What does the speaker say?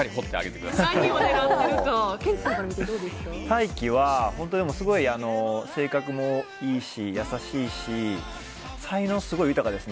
大樹は、本当にすごい性格もいいし優しいし、才能はすごい豊かです。